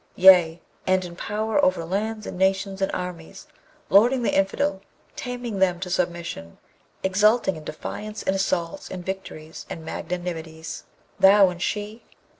Yea! and in power over lands and nations and armies, lording the infidel, taming them to submission, exulting in defiance and assaults and victories and magnanimities thou and she?'